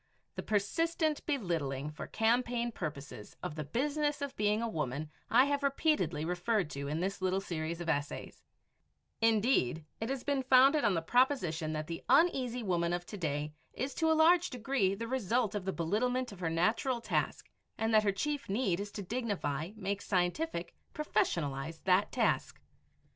The persistent belittling for campaign purposes of the Business of Being a Woman I have repeatedly referred to in this little series of essays; indeed, it has been founded on the proposition that the Uneasy Woman of to day is to a large degree the result of the belittlement of her natural task and that her chief need is to dignify, make scientific, professionalize, that task.